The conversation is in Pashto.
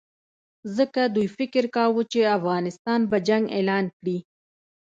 ځکه دوی فکر کاوه چې افغانستان به جنګ اعلان کړي.